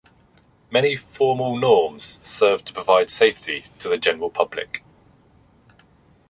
Many formal norms serve to provide safety to the general public.